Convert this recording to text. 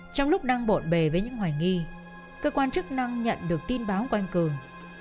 trong lúc đang bộn bề với những hoài nghi cơ quan chức năng nhận được tin báo của anh cường